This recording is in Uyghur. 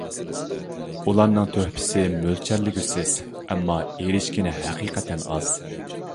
ئۇلارنىڭ تۆھپىسى مۆلچەرلىگۈسىز، ئەمما ئېرىشكىنى ھەقىقەتەن ئاز.